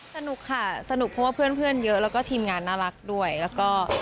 สนุกค่ะสนุกเพราะว่าเพื่อนเยอะแล้วก็ทีมงานน่ารักด้วยแล้วก็